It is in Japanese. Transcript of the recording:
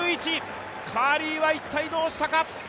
カーリーは一体どうしたか。